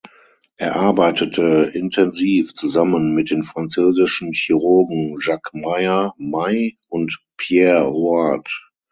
Er arbeitete intensiv zusammen mit den französischen Chirurgen Jacques Meyer May und Pierre Huard.